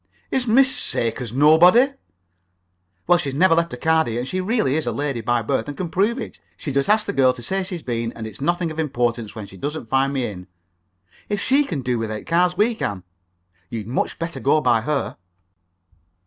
"Is Miss Sakers nobody?" "Well, she's never left a card here, and she really is a lady by birth, and can prove it. She just asks the girl to say she's been, and it's nothing of importance, when she doesn't find me in. If she can do without cards, we can. You'd much better go by her."